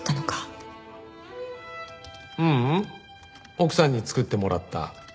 奥さんに作ってもらった」